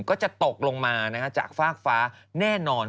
ก็จะตกลงมาจากฟากฟ้าแน่นอน